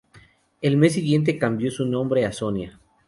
El mes siguiente cambió su nombre a Sonia.